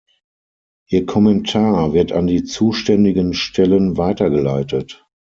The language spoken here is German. Ihr Kommentar wird an die zuständigen Stellen weitergeleitet.